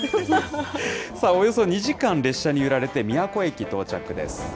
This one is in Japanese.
さあ、およそ２時間、列車に揺られて宮古駅、到着です。